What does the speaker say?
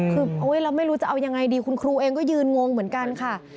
คือเราไม่รู้จะเอายังไงดีคุณครูเองก็ยืนงงเหมือนกันค่ะ